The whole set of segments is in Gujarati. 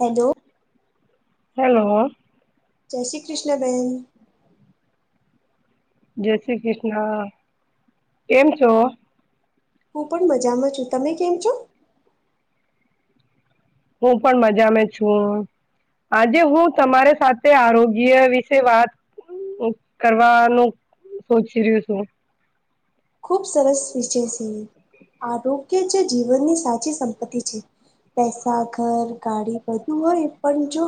હેલો. હેલો. જય શ્રી કૃષ્ણબહેન. જય શ્રી કૃષ્ણ કેમ છો. હું પણ મજામાં છું તમે કેમ છો. હું પણ મજા મે છું. આજે હું તમારી સાથે આરોગ્ય વિશે વાત. કરવાનું સોચી રહ્યું છું. ખૂબ સરસ વિજય છે આરોગ્ય જે જીવનની સાચી સંપત્તિ છે પેસા ઘર ગાડી બધું હોય પણ જો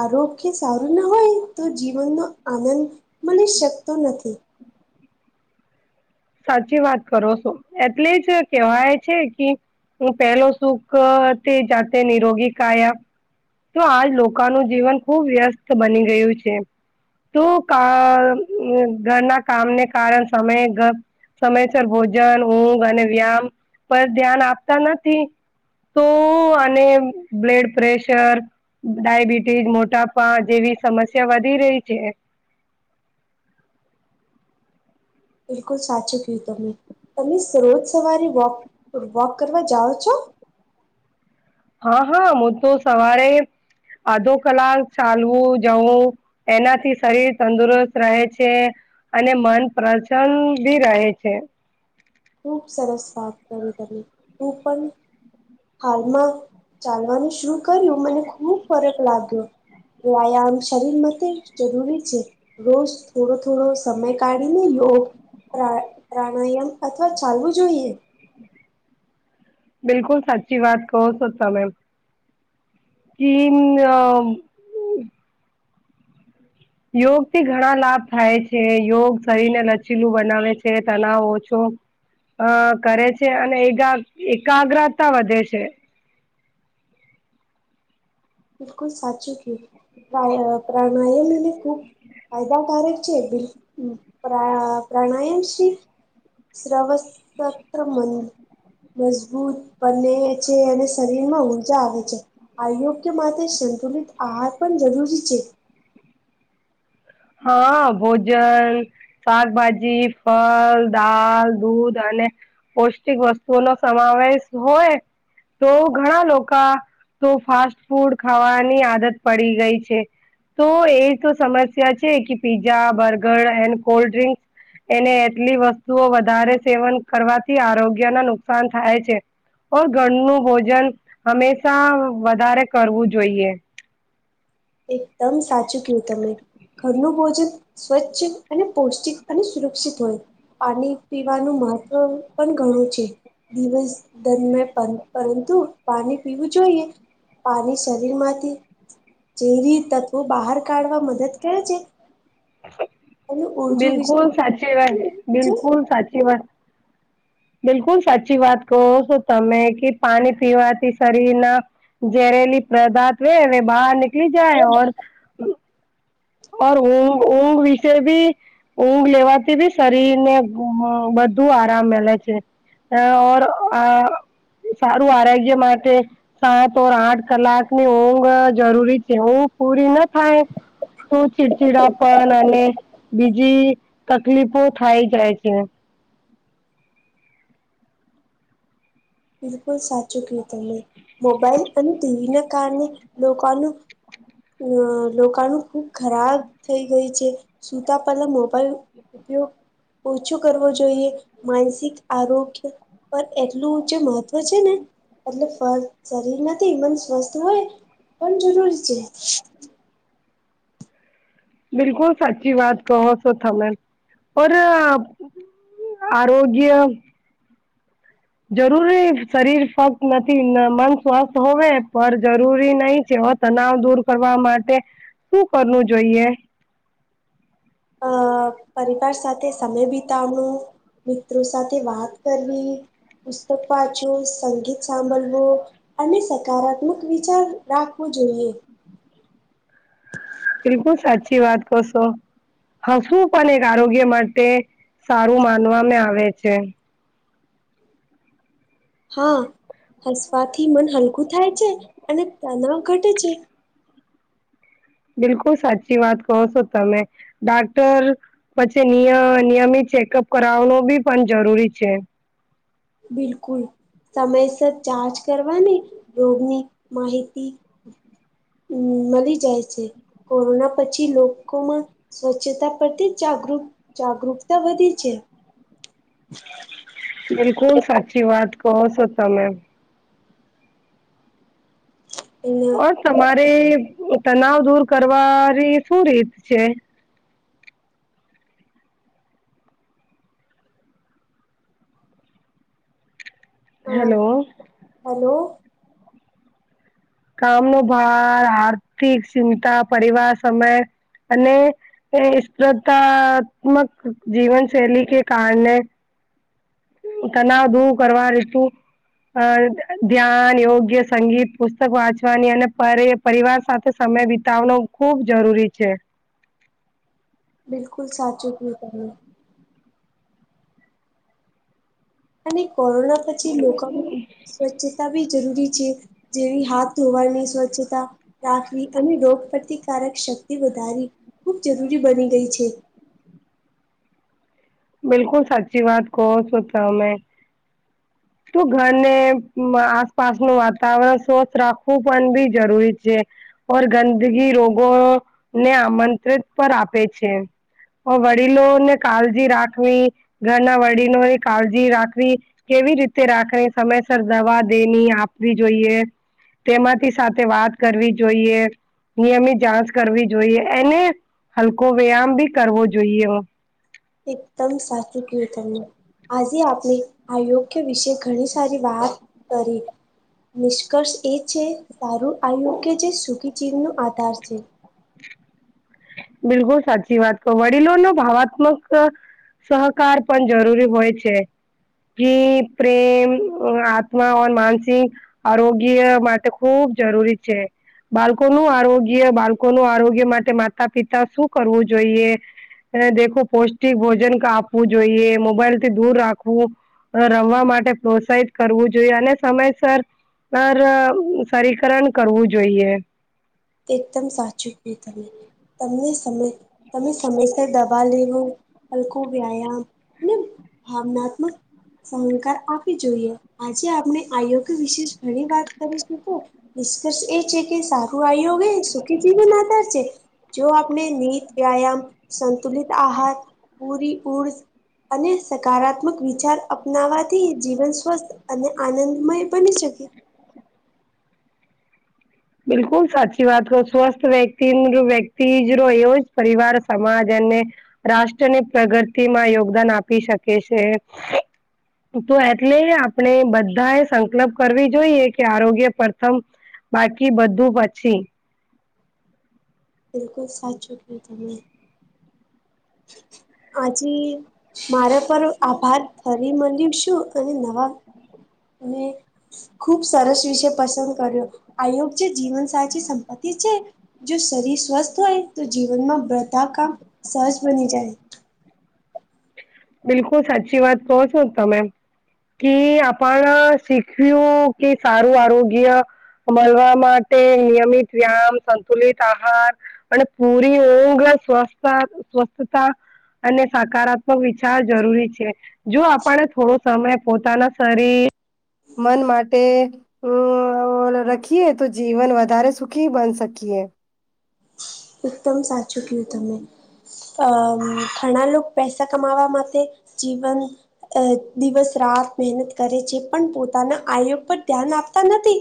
આરોગ્ય સારું ના હોય તો જીવનનો આનંદ મળી શકતો નથી સાચી વાત કરો છો એટલે જ કેવાય છે કે હું પહેલો સુખ તે જાતે નિરોગી કાયા તો આાલ લોકોનું જીવન ખુબ વ્યસ્ત બની ગયું છે તું [unintelligible] ઘરના કામને કારણ સમયે ઘર સમયસર ભોજન ઊંઘ અને વ્યામ પર ધ્યાન આપતા નથી તો અને બ્લડ પ્રેશ સર ડાયબિટીઝ મોટાપા જેવી સમસ્યા વધી રહી છે બિલકુલ સાચું કયું તમે તમે રોજ સવારે વોક વોક કરવા જાઓ છો હા હા હું તો સવારે અધો કલાક ચાલવું જવું એનાથી શરીર તંદુરસ્ત રહે છે અને મન પ્રસન્ન ભી રહે છે ખૂબ સરસ વાત કરી તમે હું પણ હાલમાં ચાલવાનું શું કર્યું મને ખુબ ફરક લાગ્યો વ્યાયામ શરીર માટે જરૂરી છે રોજ થોડો થોડો સમય કાઢીને યોગ પ્રા પ્રાણાયામ ચાલવું જોઈએ બિલકુલ સાચી વાત કહો તમે ચીન યોગ થી ઘણા લાભ થાય છે યોગ શરીરને લચીલું બનાવે છે તણાવ ઓછો અ કરે છે અને એક આમ એકાગ્રતા વધે છે બિલકુલ સાચું કે પ્રાણ પ્રાણાયામ હને ખૂબ ફાયદાકારક છે બિલ પ્રા પ્રાણાયામશ્રી શ્રવસત્ર મન મજબૂત બને છે અને શરીર માં ઊર્જા આવે છે આયોગ માટે સંતુલિત આહાર પણ જરૂરી છે હ ભોજય શાકભાજી ફળ દાલ દૂધ અને પૌષ્ટિક વસ્તુઓ નો સમાવેશ હોય તો ઘણા લોકા તો ફાસ્ટ ફૂડ ખાવાની આદત પડી ગઈ છે તો એ તો સમસ શ્યા છે કે pizza burger and cold drinks એને એટલી વસ્તુઓ વધારે સેવન કરવાથી આરોગ્યને નુકસાન થાય છે તો ઘર નું ભોજન હંમેશા વધારે કરવું જોઈએ એકદમ સાચું કયું તમે ઘરનું ભોજન સ્વચ્છ અને પૌષ્ટિક અને સુરક્ષિત હોય પાણી પીવાનું મહત્વ પણ ઘણું છે દિવસ દરમિયાન પણ પરંતુ પાણી પીવું જોઈએ પાણી શરીર માંથી જેરી તત્વો બહાર કાઢવા મદદ કરે છે અને ઉર્જુ વિશે બિલકુલ સાચી વાત બિલકુલ સાચી વાત બિલકુલ સાચી વાત કહો છો તમે કે પાણી પીવાથી શરીરના જેરેલી પ્રદાતે વે બહાર નિકલી જાય [unintelligible] ઓર ઊંઘ ઊંઘ વિશે ભી ઊંઘ લેવાથી બી શરીર ને બધું આરામ મળ છે અ ઓર આ સારું આરોગ્ય માટે સાત ઓર આઠ કલાક ની ઊંઘ જરૂરી છે નીંદ પૂરી ના થાય તો ચીડચીડા પણ અને બીજી તકલીફો થાય જાય છે બિલકુલ સાચું કીયો તમે મોબાઈલ અને ટીવી ના કારણે લોકાનું અ લોકા નું ખૂબ ખરાબ થઈ ગઈ છે સુતા પહેલા મોબાઈલ ઉપયોગ ઓછો કરવો જોઈએ માનસિક આરોગ્ય પર એટલું મહત્વ છે ને એટલે શરીરમાંથી ઈ મન સ્વસ્થ હોય પણ જરૂરી છે. બિલકુલ સાચી વાત કહો છોથમે ઓ આરોગ્ય જરૂરી શરીર ફક્ત નથી મન સ્વસ્થ હોવે પણ જરૂરી નહીં છે. તનાવ દૂર કરવા માટે શું કરવું જોઈએ. અ પરિવાર સાથે સમય બિતાવણું મિત્રો સાથે વાત કરવી પુસ્તક વાચું સંગીત સાંભળવું અને સકારાત્મક વિચાર રાખવો જોઈએ. બિલકુલ સાચી વાત કરશો હશું પણ એક આરોગ્ય માટે સારું માનવામાં આવે છે. હા હસવાથી મન હલકું થાય છે અને તણાવ ઘટે છે. બિલકુલ સાચી વાત કહો છો તમે ડાક્ટર પછી નિય નિયમિત ચેકઅપ કરાવનો બી પણ જરૂરી છે. બિલકુલ સમયસર ચાર્જ કરવાની રોગની માહિતી હમ મળી જાય છે કોરોના પછી લોકોમાં સ્વચ્છતા પ્રથી જાગૃ જાગૃકતા વધી છે. બિલકુલ સાચી વાત કહો છોતા મે એયા ઓ તમારે તનાવ દૂર કરવાની શું રીત છે. હેલો હલો કામ ન ભાર આર્થિક ચિંતા પરિવાર સમય અને એ સ્પ્રધાત્મક જીવન શૈલી કે કારણે તનાવધુ કરવા ર તું અ ધ્યાન યોગ્ય સંગીત પુસ્તક વાંચવાની અને પરે પરિવાર સાથે સમય વિતાવનો ખુબ જરૂરી છે. બિલકુલ સાચકી તમે અને કોરોના પછી લોકોમાં સ્વચ્છતા બી જરૂરી છે. જેવી હાથ ધોવાર નહી સ્વચ્છતા રાખવી અને રોગ પ્રતિકારક શક્તિ વધારવી ખૂબ જરૂરી બની ગઈ છે. બિલકુલ સાચી વાત કોહ સોતા હ મે તો ઘરને આસપાસનું વાતાવરણ સ્વસ્્થ રાખવું પણ બી જરૂરી છે. પર ગંદગી રોગો ને આમંત્રિત પર આપે છે. વડીલોને કાળજી રાખવી ઘરના વડીલોની કાળજી રાખવી કેવી રીતે રાખને સમયસર દવા દેની આપવી જોઈએ તેમાંથી સાથે વાત કરવી જોઈએ. નિયમિત જાંચ કરવી જોઈએ એને હલકો વ્યાયામ બી કરવો જોઈએ. એકદમ સાચું કયું તમને આજે આપણે આયોગ્ય વિશે ઘણી સારી વાત કરી નિષ્કર્ષ એ છે સારું આયુ કે જે સુખી જીવનો આધાર છે. બિલકુલ સાચી વાત ક વડીલો ન ભાવાત્મક સહકાર પણ જરૂરી હોય છે. જી પ્રેમ આત્મા માનસિક આરોગ્ય માટે ખૂબ જરૂરી છે. બાળકોનુંું આરોગ્ય બાળકોનુંું આરોગ્ય માટે માતા પિતા શું કરવું જોઈએ. દેખું પૌષ્ટિક ભોજન આપવું જોઈએ મોબાઈલ થી દૂર રાખવું રમવા માટે પ્રોત્સાહિત કરવું જોઈએ અને સમયસર સર સરકરણ કરવું જોઈએ. તે એકદમ સાચું હોય તમે તમને સમય તમે સમયસર દવા લેવો હલકું વ્યાયામ ભાવનાત્મક સહંકાર આપી જોઈએ આજે આપણે આયોગ્ય વિશેષ ઘણી વાત કરીશકો નિષ્કર્ષ એ છે કે સારું આવ્યોગ એ સુખી જીવન માધાર છે જો આપણે ત વ્યાયામ સંંતુલિત આહાર પૂરી ઉઊર્જ અને સકારાત્મક વિચાર અપનાવવાથી જીવન સ્વસ્થ અને આનંદમય બની શકે બિલકુલ સાચી વાત કહો સ્વસ્થ વ્યક્તિ વ્યક્તિ ર એવો જ પરિવાર સમાજ અને રાષ્ટ્ર ની પ્રગતિ માં યોગદાન આપી શકે છે તો એટલે આપણે બધા એ સંકલ્પ કરવી જોઈએ કે આરોગ્ય પ્રથમ બાકી બધું પછી બિલકુલ સાચું કું તમને આજે મારા પર આભાર ફરી મળ્યું શું અને નવા અને ખુબ સરસ વિશે પસંદ કર્યો આયોગ જે જીવન સાચી સંપત્તિ છે જો શરીર સ્વસ્થ હોય તો જીવનમાં બ્રધા કામ સહજ બની જાય બિલકુલ સાચી વાત કહો છો તમે કે આપણ શીખ્યું કે સારું આરોગ્ય મળવા માટે નિયમિત વ્યામ સંતુલિત આહાર અને પૂરી ઘ સ્વ સ્વસ્થતા અને સકારાત્મક વિ જરૂરી છે જો આપણે થોડો સમય પોતાના શરીર મન માટે હમ રખીએ તો જીવન વધારે સુખી બન શકીએ એકદમ સાચું કયું તમે અ ઘણા લોકો પૈસા કમાવા માટે જીવન અ દિવસ રાત મહેનત કરે છે પણ પોતાના આયયો પર ધ્યાન આપતા નથી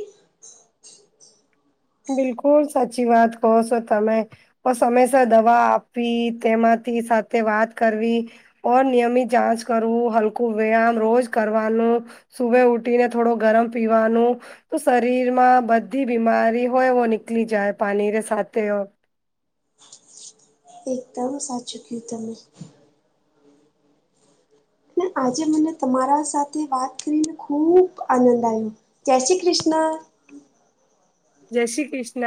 બિલકુલ સાચી વાત કહો છો તમે તો સમયસર દવા આપવી તેમાંથી સાથે વાત કરવી ઓ નિયમિત જાંચ કરવું હલકું વ્યાયામ રોજ કરવાનું સુભે ઉઠીને થોડો ગરમ પીવાનું તો શરીરમાં બધી બીમારી વો નિકલી જાય પાણી ર સાતે હો એકદમ સાચું કયું તમે ને આજે મને તમારા સાથે વાત કરીને ખુબ આનંદ આવ્યો જય શ્રી કૃષ્ણ જય શ્રી કૃષ્ણ